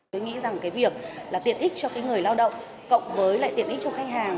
tôi nghĩ rằng việc tiện ích cho người lao động cộng với tiện ích cho khách hàng